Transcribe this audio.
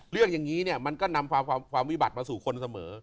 เรื่องอย่างนี้เนี่ยมันก็นำความวิบัติมาสู่คนเสมอ